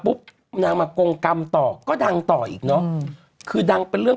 นางมากงกรรมต่อก็ดังต่ออีกเนอะคือดังเป็นเรื่อง